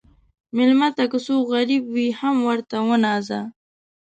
مېلمه ته که څوک غریب وي، هم ورته وناځه.